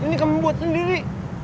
ini kamu buat sendiri